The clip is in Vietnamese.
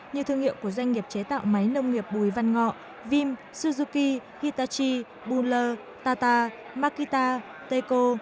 như thương hiệu của doanh nghiệp chế tạo máy nông nghiệp bùi văn ngọ vim suzuki hitachi buller tata makita tekco